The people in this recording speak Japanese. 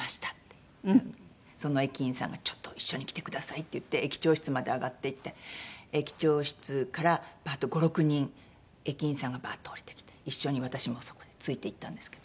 その駅員さんが「ちょっと一緒に来てください」って言って駅長室まで上がっていって駅長室からバッと５６人駅員さんがバッと下りてきて一緒に私もそこについて行ったんですけど。